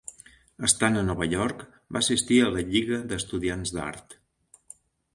Estant a Nova York, va assistir a la Lliga d'Estudiants d'Art.